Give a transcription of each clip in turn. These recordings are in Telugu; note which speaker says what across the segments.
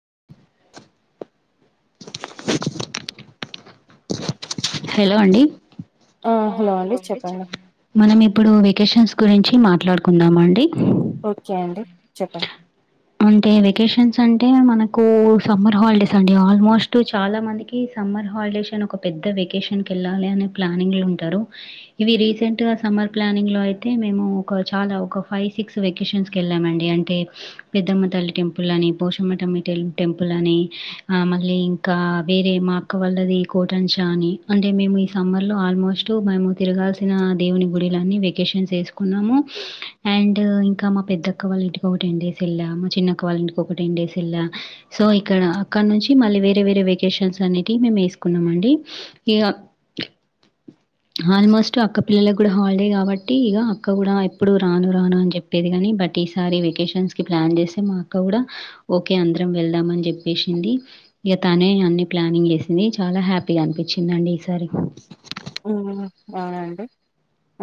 Speaker 1: [inaudible] హలో అండి
Speaker 2: ఆ హలో అండి చెప్పండి
Speaker 1: మనం ఇప్పుడు వెకేషన్స్ గురించి మాట్లాడుకుందామ అండి
Speaker 2: ఓకే అండి చెప్పండి
Speaker 1: అంటే వెకేషన్స్ అంటే మనకు ఉ సమ్మర్ హాలిడేస్ అండి ఆల్మోస్ట్ చాలా మందికి సమ్మర్ హాలిడేస్ అని ఒక పెద్ద వెయ్ వెకేషన్ కి వెళ్ళాలి అనే ప్లానింగ్ లో ఉంటారూ ఇవి రీసెంట్ గా సమ్మర్ ప్లానింగ్ లో అయితే మేము చాలా ఒక ఫైవ్ సిక్స్ వెకేషన్స్ కి వెళమండి అంటే పెద్దమ్మ తల్లి టెంపుల్ అని పోచమ్మ టెంపు మి టెంపుల్ అని మళ్ళీ ఇంకా వేరే మా అక్క వాళ్ళది కోటన్ంచా అని అంటే మేము ఈ సమ్మర్లో ఆల్మోస్ట్ మేము తిరగాల్సిన దేవుని గుడిలన్నీ వెకేషన్స్ వేసుకున్నాము అండ్ ఇంకా మా పెద్దక్క వాళ్ళ ఇంటికి ఒక టెన్ డేస్ ఎళ్ళము మా చిన్నక్క వాళ్ళము ఇంటికి ఒక టెన్ డేస్ ఎళ్ళము సో ఇక్కడ అక్కడ నుంచి మళ్ళీ వేరే వేరే వెకేషన్స్ అనేటి మేము వేసుకున్నాం అండి ఇంక ఆల్మోస్ట్ అక్క పిల్లలకు కూడా హాలిడే కాబట్టి ఇగ అక్క కూడా ఎప్పుడు రాను రాను అని చెప్పేది కాని బట్ ఇప్ ఈసారి వెకేషన్స్ కి ప్లాన్ చేస్తే మా అక్క కూడా ఓకే అందరం వెళ్దామని చెప్పేసింది ఇక తానే అన్ని ప్లానింగ్ చేసింది చాలా హ్యాపీగా అనిపించిందండి ఈసారి
Speaker 2: ఉ అవునండి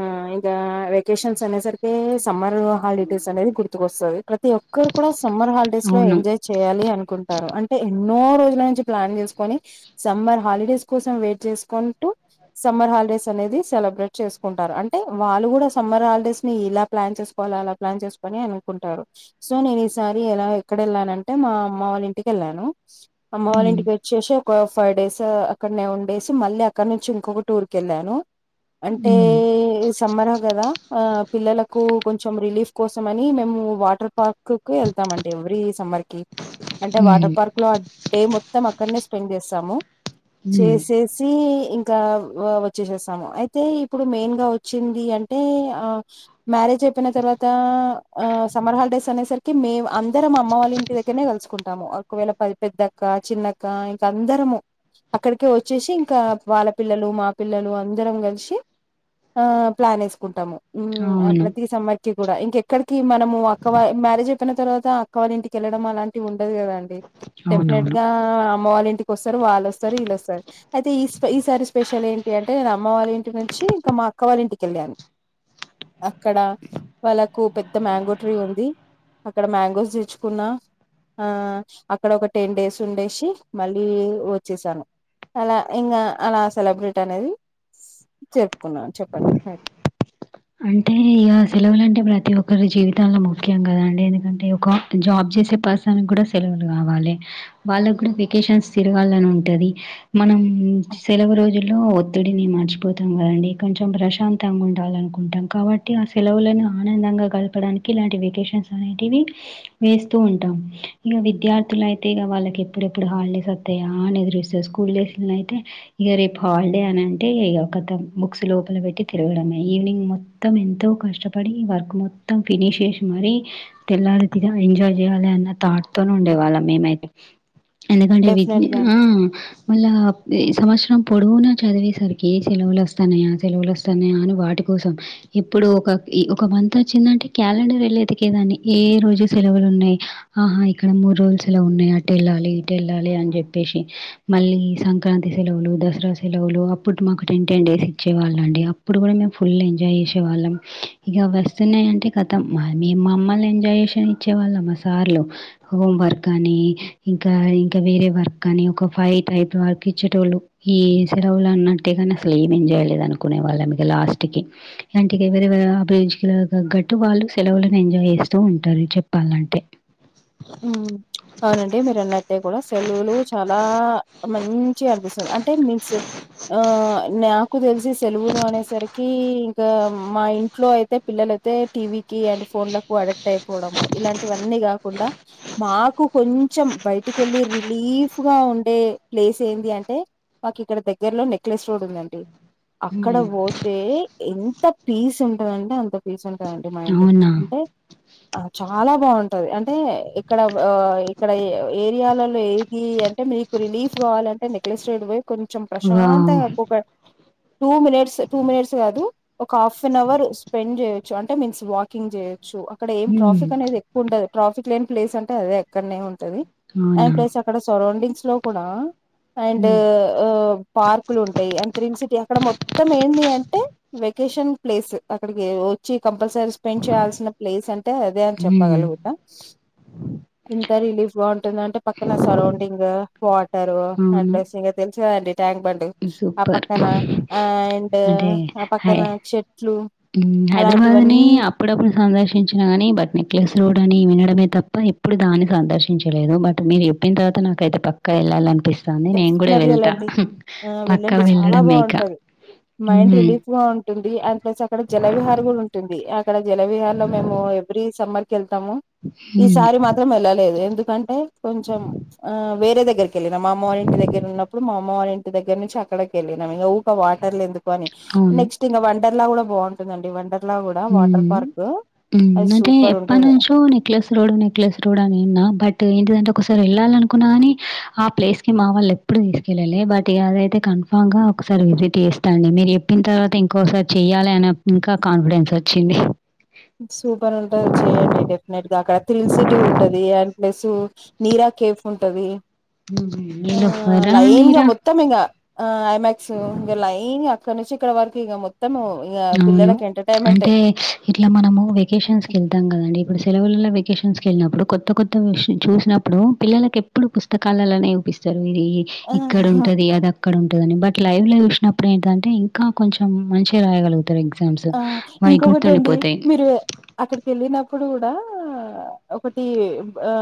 Speaker 2: ఆ ఇంకా వెకేషన్స్ అనే సరికె సమ్మర్ హాలిడేస్ అనేది గుర్తుకొస్తుంది ప్రతి ఒక్కరు కూడా సమ్మర్ హాలిడేస్ లో
Speaker 1: అవును.
Speaker 2: ఎంజాయ్ చేయాలి అనుకుం టారు అంటే ఎన్నో రోజుల నుంచి ప్లాన్ చేసుకొని సమ్మర్ హాలిడేస్ కోసం వెయిట్ చేసుకొంటూ సమ్మర్ హాలిడేస్ అనేది సెలబ్రేట్ చేసుకుంటారు అంటే వాళ్ళు కూడా సమ్మర్ హాలిడేస్ ని ఇలా ప్లాన్ చేసుకోవాల్ అలా ప్లాన్ చేసుకుని అనుకుంటారు సో నేను ఈసారి ఎలా ఎక్కడ వెళ్ళానంటే మా అమ్మ వాళ్ళ ఇంటికెళ్ళాను అమ్మవల
Speaker 1: హ్మ్.
Speaker 2: ఇంటికి వచ్చేసి ఒక ఫైవ్ డేస్ అక్కడనే ఉండేసి మళ్ళీ అక్కడ నుంచి ఇంకో టూర్ క వెళ్ళాను అంటే
Speaker 1: హ్మ్.
Speaker 2: సమ్మరా కదా పిల్లలకు కొంచెం రిలీఫ్ కోసం అని మేము వాటర్ పార్క్ కు వెళ్తామండి ఎవ్రీ సమ్మర్ కి అంటే వాటర్
Speaker 1: హ్మ్.
Speaker 2: పార్క్ లో అడే మొత్తం అక్కడనే స్పిన్ స్పెండ్ చేస్తాము
Speaker 1: హ్మ్.
Speaker 2: చేసేసి ఇంకా వచ్చేసేస్తాము అయితే ఇప్పుడు మెయిన్గా వచ్చింది అంటే ఆ మ్యారేజ్ అయిపోయిన తర్వాత సమ్మర్ హాలిడేస్ అనేసరి మేము అందరం అమ్మ వాళ్ళ ఇంటి దగ్గరనే కలుసుకుంటాము ఒకవేళ పెద్దక్క చిన్నక్క ఇంకా అందరము అక్కడికే వచ్చేసి ఇంకా వాళ్ళ పిల్లలు మా పిల్లలు అందరం కలిసి ఆ ప్లాన్ వేసుకుంటాము
Speaker 1: అవును.
Speaker 2: ప్రత సమ్మర్ కి కూడా ఇంకెక్కడికి మనము అక్క మ్యారేజ్ అయిన తర్వాత అక్క వాళ ఇంటికెళ్ళడం అలాంటి ఉ దు కదండి డెఫినెట్
Speaker 1: అవునవును.
Speaker 2: గా అమ్మ వల ఇంటికి వస్తారు వాళ్లోస్తారు వీళొస్తారు అయితే ఈ ఈసారి స్పెషల్ ఏంటి ఏ అంటే నేను అమ్మ వాళ్ళ ఇంటి నుంచి ఇంకా మా అక్క వాళ్ళ ఇంటికి వెళ్ళాను అక్కడ వాళ్ళకు పెద్ద మ్యాంగో ట్రీ ఉంది అక్కడ మ్యాంగోస్ తెచ్చుకున్న ఆ అక్కడ ఒక టెన్ డేస్ ఉండే సి మళ్ళీ వచ్చేసాను అలా ఇంకా, అలా సెలబ్రిటీ అనేది జప్పుకున్నాను చెప్పండి
Speaker 1: అంటే ఇక సెలవులు అంటే ప్రతి ఒక్కరి జీవితంలో ముఖ్యం కదాండి ఎందుకంటే ఒక జాబ్. సలవు పర్సన్ కావాలి వాళ్ళ కూడా వెకేషన్స్ తిరాలని ఉంటంది మనం. సెలవు రోజుల్లో ఒత్తిడిని మర్చిపోతాం కదండి కొంచెం ప్రశాంతంగా ఉండాలి అనుకుంట ఉంటాం కాబట్టి ఆ సెలవులను ఆనందంగా కలపడానికి ఇలాంటి వెకేషన్స్ అనేటివి వేస్త. ఉంటాం ఇక విద్యార్థులు అయితే ఈగ వాళ్ళకి ఎప్పుడెప్పుడు హాలిడేస్ అతాయా అని ఎస్త స్కూల్ డేస్ అయితే ఇక రేపు హాలిడే అని అంటే ఈగ కతం బుక్స్ లోపల పెట్టి తిరగడమే ఈవినింగ్ మొత్తం ఎంతో కష్టపడి వర్క్ మొత్తం ఫినిష్ చేసి మరి తెల్లారిగా ఎంజాయ్ చే చేయాలి అన్న తాట్ త ఉండేవాళ్ళ మేమైతే ఎందుకంటే
Speaker 2: డెఫినెట్ గా
Speaker 1: [inaudible] ఆ మళ్ళ ఈ సవస్తారంపొడుగునా చదివేసరికి ఏ సెలవులు వస్తాన్నాయా సెలవులు వస్తాన్నాయా అని వాటి కోసం ఎప్పుడూ ఒక ఒక మంత్ వచ్చిందంటే క్యాలెండర్ వెళ్ళేదికేదాన్ని ఏ రోజు సెలవులో న్నాయి ఆహా ఇక్కడ మూడు రోజుస్లా ఉన్నాయి అటు వెళ్ళాలి ఇటు వెళ్ళాలి అని చెప్పేసి మళ్ళీ సంక్రాంతి సెలవులు, దసరా సెలవులు, అప్పుడు మాకు టెన్, టెన్ డేస్ ఇచ్చే వాళ్ళ అండి అప్పుడు కూడా మేము ఫుల్ ఎంజాయ్ చేసేవాళ్ళం ఈగ వస్తున్నాయి అంటే కతం మేము మా అమ్మల్ని ఎంజాయ్ చేషన్ ఇచ్చే ళ మా సార్లు, హోమ్ వర్క్ అని ఇంకా, ఇంకా వేరే వర్క్ కానీ ఒక ఫైట్ అయి వర్క్ ఇచ్చేటోళ్ళు ఈ సెలవులు అన్నట్టే కానీ అసలు ఏం ఎంజాయలేదు అనుకునే వాళ్ళం ఈగ లాస్ట్ అంటికి ఎవర అభిరుచికి తగ్గట్టు వాళ్ళు సెలవులను ఎంజాయ్ చేస్తూ ఉంటారు చెప్పాలి వాళ్ళంటే
Speaker 2: ఉ అవునండి మీరు అన్నట్టే కూడా సెలవులు చాలా మంచి అనిపిస్తుంది అంటే మీన్స్ ఆ నాకు తెలిసి సెలవులు అనేసరికి.... ఈగ మా ఇంట్లో అయితే పిల్లలు అయితే టీవీ అండ్ ఫోన్లకు అడిక్ట్ అయిపోవడము ఇలాంటివన్నీ కాకుండా మాకు కొంచెం బయటికి వెళ్ళి రిలీఫ్గా ఉండే ప్లేస్ ఏంది అంటే మాకు ఇక్కడ దగ్గరలో నెక్లెస్ రోడ్ ఉందండి. అక్కడ
Speaker 1: హ్మ్.
Speaker 2: పోతే.. ఎంత పీస్ ఉంటదంటే అంత పీస్ ఉంటు. మా ఇంట్
Speaker 1: అవునా
Speaker 2: అంటే ఆ చాలా బాగుంటది అంటే. ఇక్కడ, ఇక్కడ ఏరియాలో యాంటీ అంటే మీకు రిలీఫ్ కావాలింటే నెక్లెస్టెడ్ వై్ కొంచెం
Speaker 1: వావ్
Speaker 2: ప్రశాంతంగా ఎక్కువగా టూ మినిట్స్, టూ మినిట్స్ కాదు ఒక హాఫ్ అన్ అవర్ స్పెండ్ చేయొచ్చు అంటే మీన్స్ వాకింగ్ చేయొచ్చు. అక్కడ ఏం
Speaker 1: హ్మ్
Speaker 2: ట్రాఫిక్ అనేది ఎక్కు ఉండదు ట్రాఫిక్ లేని ప్లేస్ అంటే అదే ఎక్కడనే ఉంది. ది అండ్
Speaker 1: అవునా
Speaker 2: ప్లస్ అక్కడ సరౌండింగ్స్ లో కూడా. అండ్
Speaker 1: హ్మ్
Speaker 2: పార్కులు ఉంటాయి అండ్ క్రీమ్ సిటీ అక్కడ మొత్తం మొత్తం ఏంది అంటే వెకేషన్ ప్లేస్ అక్కడికి వచ్చి కంపల్సరీ స్పెండ్ చేయాల్సిన ప్లేస్ అంటే అదే అని చెప్పగలుగుతా
Speaker 1: అ
Speaker 2: ఎంత రిలీఫ్ గా ఉంటుంద అంటే పక్కన సరౌండింగ్ వాటర్
Speaker 1: అవును
Speaker 2: అడ్రెస్ ట్యాంక్ బండ్ ఆ
Speaker 1: సూపర్
Speaker 2: పక్కన అండ్ ఆ పక్కన చెట్లు
Speaker 1: హైదరాబాద్ ని
Speaker 2: అలాంటివన్నీ
Speaker 1: అప్పుడప్పుడు సందర్శించిన గాని బట్ ని క్లస్ రోడ్ అని వినడమే తప్ప ఎప్పుడు దాన్ని సందర్శించలేదు బట్ మీరు చెప్పిన తర్వాత నాకైతే పక్క వెళ్ళాలి అనుకు పనిపిస్తంది నేను కూడా
Speaker 2: డెఫినెట్గా
Speaker 1: వెళ్తా
Speaker 2: వెళ్ళండి ఆ
Speaker 1: పక్కా
Speaker 2: వెళ్ళండి చాలా
Speaker 1: వెళ్ళడమే ఇక.
Speaker 2: బాగుంటాది మైండ్
Speaker 1: హ్మ్.
Speaker 2: రిలీఫ్ గా ఉంటు అండ్ ప్లస్ అక్కడ జలవిహార కూడా ఉంటుంది అక్కడ జలవిహార లో మేము ఎవ్రీ సమ్మర్ వెల్తాము ఈ
Speaker 1: హ్మ్.
Speaker 2: సారి మాత్రం వెళ్లలేదు ఎందుకంటే కొంచెం వేరే దగ్ దగ్గరికి వెళ్లిన మా అమ్మ వాళ్ళ ఇంటి దగ్గ ఉన్నప్పు మామ్మ వాల్ ఇంటి దగ్గర నుంచి అక్కడికి వెళ్ళినాం ఒక వాటర్లు ఎందుకు అని
Speaker 1: అవును.
Speaker 2: నెక్స్ట్ ఇంగ వండర్లా కూడా బాగుంటుందండి వండర్లా కూడా వాటర్
Speaker 1: హ్మ్.
Speaker 2: పార్క్ అది
Speaker 1: అంటే
Speaker 2: సూపర్ ఉంటుంది
Speaker 1: ఎప్పనుంచో నెక్లెస్ రోడు నెక్లెస్ రోడ్ అని ఇన్నా బట్ ఏంటి ఒకసారి వెళ్ళాలినుకున్నా కాని ఆ ప్లేస్ కి మా వాళ్ళు ఎప్పుడు తీసుకెళ్ళాలి బట్ అదైతే కన్ఫామ్ గా ఒకసారి విజిట్ చేస్త అండి మీరు చెప్పిన తర్వాత ఇంకోసారి చెయ్యాలి అని ఇంకా కాన్ఫిడెన్స్ సచ్చిని
Speaker 2: సూపర్ ఉంటది చెయండి డెఫినెట్ అక్కడ థ్రిల్ సిటీ ఉంటది అండ్ ప్లస్ నీరా కేఫ్ ఉంటది ఆ
Speaker 1: నిలుఫరా
Speaker 2: లైన్గా
Speaker 1: నీరా
Speaker 2: మొత్తం ఇంగా ఆ ఐమాయాక్స్ ఇగ లైన్గా ఇక్కడ నుంచి ఇక్కడ వరకి ఇగ మొత్తం ఇంగ
Speaker 1: అవును
Speaker 2: పిల్లలకి ఎంటర్టైన్మెంట్ ఏ
Speaker 1: అంటే ఇట్లా మనము వెకేషన్స్కి వెళ్తాం కదండి ఇప్పుడు సెలవుల్లో వెకేషన్స్కి వెళ్ళినప్పుడు కొత్త కొత్త వి చూసినప్పుడు పిల్లలకి ఎప్పుడు పుస్తకాలల్లోనే చూపిత్తరు ఇది ఇక్కడ ఉంటది అద అక్కడ ఉంటదని బట్ లైవ్ ల చూసినప్పుడు ఏంటంటే ఇంకా కొంచెం మంచిగా రాయగలుగుతారు ఇంకా
Speaker 2: ఆ ఇంకొకటి అండి మీరు అక్కడికి వెళ్ళిన ఇప్పుడు కూడా ఒకటి ఆ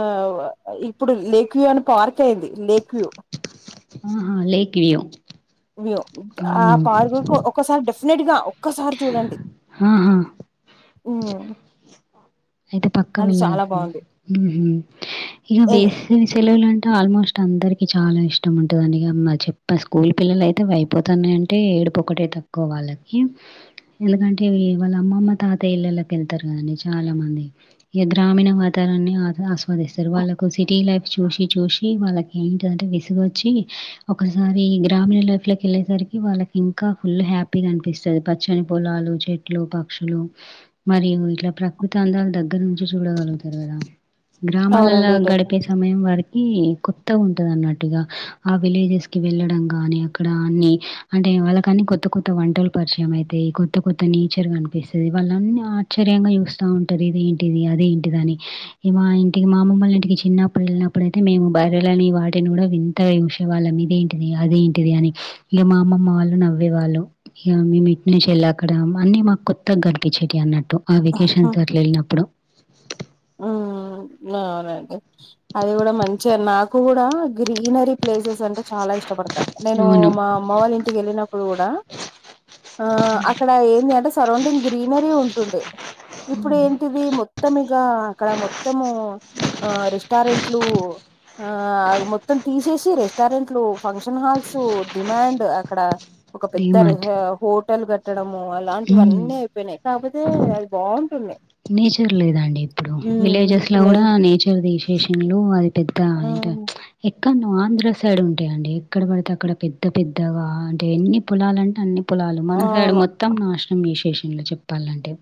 Speaker 2: ఇప్పుడు లేక్ యూ అని పార్క్ అయింది లేక్యూ
Speaker 1: ఆహా లేక్యూ
Speaker 2: వ్యూ ఆ పార్గుకు ఒకసారి డెఫినెట్ గా ఒక్కసారి
Speaker 1: ఆహా
Speaker 2: ఉ
Speaker 1: అయితే పక్క వెళ్ళాల్సింది ఉహు ఇగ
Speaker 2: ఎన్
Speaker 1: వేసవి సెలవులు అంటే ఆల్మోస్ట్ అందరికి చాలా ఇష్టం ఉంటది అండి ఇగ చెప్ప స్కూల్ పిల్లలు అయితే అయిపోతన్నాయి అంటే ఏడుపు ఒక్కటి అయితే తక్కువ వాళ్ళకి ఎందుకంటే వాళ్ళ అమ్మమ్మ తాతయ్య ఇల్ళల్లోకి వెళ్తారు కదండి చాలా మంది ఈ గ్రామీణ వాతావరణన్ని ఆస్వాదిస్తారు వాళ్ళకు సిటీ లైఫ్ చూసి చూసి వాళ్ళకి ఏంటిదంటే విసుగు వచ్చి ఒకసారి గ్రామీణ లైఫ్ లో వెళ్ళేసరి వాళ్ళకి ఇంకా ఫుల్ హ్యాపీగా అనిపిస్తది పచ్చని పొలాలు చెట్లు పక్షులు మరి ఇట్ల ప్రకృతి అందాలు దగ్గర నుంచి చూడగలుగుతారు కదా గ్రామాలల్ల
Speaker 2: అవునండి డెఫినె
Speaker 1: గడిపే సమయం వారికి కొత్తగ ఉంటది అన్నట్టుగా ఆ విలేజెస్ కి వెళ్ళడం గాని అక్కడ అన్ని అంటే వాళ్ళకన్నీ కొత్త కొత్త వంటల పరిచయం అయితయ్ కొత్త కొత్త నేచర్ కనిపిస్తది వాళ్ళన్ని ఆశ్చర్యంగా చూస్తా ఉంటది దేంటిది అదే ఏంటిదని ఇ మా ఇంటికి మామమ్మల్ని ఇంటికి చిన్నప్పుడు వెళ్ళినప్పుడు అయితే మేము బయరళని వాటిని కూడా వింత హంసేవాళ్ళం ఇదేంటిది అదేంటిది అని ఇంక మా అమ్మమ్మ వాళ్ళు నవ్వేవాళ్ళు ఇ మేము ఇట్ నుంచి
Speaker 2: హ్మ్.
Speaker 1: వెళ్ళి అక్కడ అన్నీ మాకు కొత్తగా గడిపించేట అన్నట్టు ఆ వెకేషన్స్ దగర వెళ్ళినప్పుడు [inaudible]
Speaker 2: హ్మ్. అవునండి అది కూడా మంచి నాకు కూడా గ్రీనరీ ప్లేసెస్ అంటే చాలా ఇష్టపడతా నేను
Speaker 1: అవును.
Speaker 2: మా అమ్మ వాళ్ళ ఇంటికి వెళ్ళినప్పుడు కూడా ఆ అక్కడ ఏంది అంటే సరౌండింగ్ గ్రీనరీ ఉంటుండే ఇప్పుడు ఏంటిది మొత్తం అక్కడ మొత్తము ఆ రెస్టారెంట్లు ఆ మొత్తం తీసేసి రెస్టారెంట్లు ఫంక్షన్ హాల్స్ డిమాండ్ అక్కడ ఒక పెద్ద
Speaker 1: డీమార్ట్.
Speaker 2: హోటల్ కట్టడము
Speaker 1: హ్మ్.
Speaker 2: అలాంటివన్నీ అయిపోయినాయి కాబతేటి అయితే అది బాగుంటుంది
Speaker 1: నేచర్ లేదండి ఇప్పుడు
Speaker 2: ఉమ్,
Speaker 1: విలేజెస్ లో
Speaker 2: ఇప్పుడు నే
Speaker 1: కూడా నేచర్ దసేషన్లు అది పెద్ద ఇ అంట
Speaker 2: ఉమ్,
Speaker 1: ఇంకా నువ్ ఆంధ్ర సైడ్ ఉంటాయిడి ఎక్కడ పడితే అక్కడ పెద్ద పెద్దగా అంటే ఎన్ని పొలలు అంటే అన్ని పొలాలు మనసడు
Speaker 2: అవును
Speaker 1: మొత్తం నాశనం విశేషంలో చెప్పాలంటే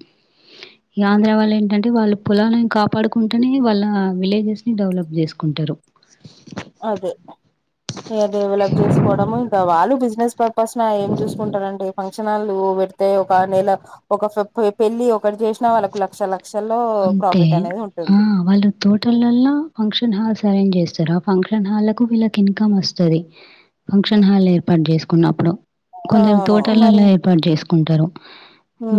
Speaker 1: ఈ ఆంధ్ర వాళ్ళు ఏంటంటే వాళ్ళు పొలాలను కాపాడుకుంటేనే వాళ్ళ విలేజెస్ ని డెవలప్ చేసుకుంటారు
Speaker 2: అదే ఇ డెవలప్ చేసుకోవడము ఇంకా వాళ్ళు బిజినెస్ పర్పస్ న ఏం చూసుకుంటారంటడి ఫంక్షన్లు పెడితే ఒక నెల ఒక పెళ్ళి ఒకటి చేసినా వాళ్ళకు లక్ష లక్షల్లో
Speaker 1: అంతే.
Speaker 2: ప్రాఫిట్ అనేది
Speaker 1: ఆ!
Speaker 2: ఉంటుంది
Speaker 1: సరంజ్ చేస్తారా ఫంక్షన్ ఫంక్షన్ హాల్లకు వీళ్ళకి ఇన్కమ్ వస్తుంది ఫంక్షన్ హాల్ ఏర్పాటు చేసుకున్నప్పుడు కొందరు
Speaker 2: అవును మరి
Speaker 1: తోటలలో ఏర్పాటు చేసుకుంటారు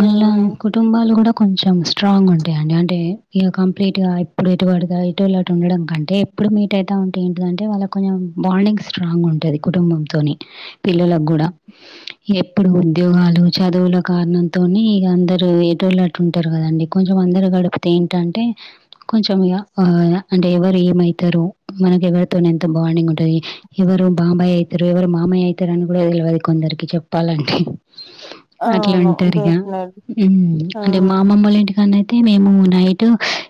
Speaker 1: మళ్ళా కుటుంబాలు కూడా కొంచెం స్ట్రాంగ్ ఉంటాయంండి అంటే ఇక కంప్లీట్ గా ఇప్పుడు ఎటువంటిగా ఎటుల ఉండడం కంటే ఇప్పుడు మీట్ అయిత ఉంటే ఏంటింటే వాళ్ళ కొంచెం బాండింగ్ స్ట్రాంగ్ ఉంటుది కుటుంబంంతో పిల్లలకు ఎప్పుడు ఉద్యోగాలు చదువుల కారణంతోనే ఇక అందరుూ ఎటుోల ంటారు కదండి కొంచెం అందరు గడిపితే ఏంటంటే కొంచెం అంటే ఎవరు ఏమైతే ారు మనకి ఎవరితో ఎంత బాండింగ్ ఉంటది ఎవరు బాబాయ్ అవుతారు ఎవరు మాబమయ్య అవుతారు అని కూడా తెలది కొందరికి చెప్పాలంటే అట్లా
Speaker 2: అవును
Speaker 1: ఉంటారుగా
Speaker 2: డెఫినెట్
Speaker 1: అంటే మా
Speaker 2: హ్మ్
Speaker 1: అమమ్మలు ఇంటికన్నా అయితే మేము నైట్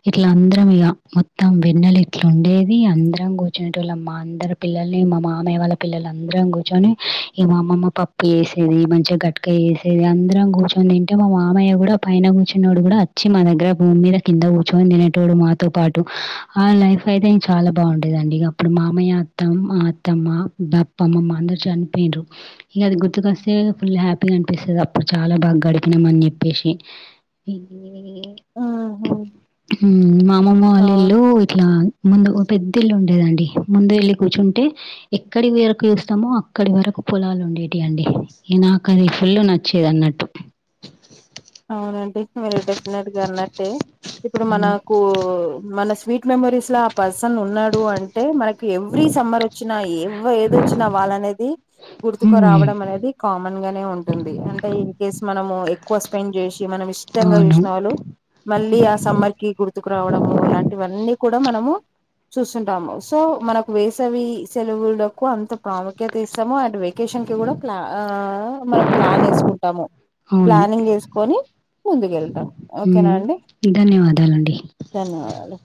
Speaker 1: ఇట్లా అందరం ఇక మొత్తం వెన్నలు ఇట్లా ఉండేది అందరం కూర్చు వాళ్లమ్ మా అందరి పిల్లల్ని మా మామయ్య వాళ్ళ పిల్లలు అందరం కూర్చొని ఈ మామమ్మ పప్పు వేసేది మంచిగా గట్కాయ వేసేది అందరం కూర్చొని ఏంటే మా మామయ్య కూడా పైన కూర్చున్నోడు కూడా వచ్చి మా దగ్గర భూమి మీద కింద కూర్చొని తినేటోడు మాతో పాటు ఆ లైఫ్ ఫైత చాలా బాగుంటదిండి అప్పుడు మామయ్య అత్తమ్ మా అత్తమ్మ బప్ప అమ్మమ్మ అందరు చనిపోించ ఇక అది గుర్తుకొస్తే ఫుల్ హ్యాపీగా అనిపిస్తుంది అప్పుడు చాలా బాగా గడికినాం అని చెప్పేసి ఇ
Speaker 2: హుహు
Speaker 1: మా అమ్మమ్మ వాళ్ళ
Speaker 2: అవును
Speaker 1: ఇల్లు ఇట్లా ముందు పెద్ద ఇల్లు ఉండేదండి ముందు వెళ్లిి కూర్చుంటే ఎక్కడి వరకు చూస్తామో అక్కడి వరకు పొలాలు ఉండేటి అండి ఈ నాక అది ఫుల్లు నచ్చేది అన్నట్టు
Speaker 2: అవునండి మీరు డెఫినెట్ గా అన్నట్టే ఇప్పుడు
Speaker 1: హ్మ్.
Speaker 2: మనకు మన స్వీట్ మెమోరీస్ లో ఆ పర్సన్ ఉన్నాడు అంటే మనకి ఎవ్రీ సమ్మర్ వచ్చినా ఎ ఏదొచ్చినా వాళ్ళనేది
Speaker 1: హ్మ్.
Speaker 2: గుర్తుకురావడం అనేది కామన్ నే ఉంటుంది అంటే ఇన్ కేస్ మనము ఎక్కువ స్పెం చేసి మనం ఇష్టంగా
Speaker 1: అవును.
Speaker 2: చూసిన వాళ్ళు మళ్ళీ ఆ సమ్మర్ కి గుర్తు ముతుకురావడము ఇలాంటివన్నీ కూడా మనము చూస్తుంటాము. సో మనకు వేసవి సెలవులకు అంత ప్రాముఖ్యత ఇస్తము అండ్ వెకేషన్కి గుడ ప్లా ఆ మన ప్లాన్ ఏస్కుంటము.
Speaker 1: అవును.
Speaker 2: ప్లానింగ్ చేస్ కొని ముందుకెళ్తాం
Speaker 1: హ్మ్.
Speaker 2: ఓకేనా అండి
Speaker 1: ధన్యవాదాలండి.
Speaker 2: ధన్యవాదాలు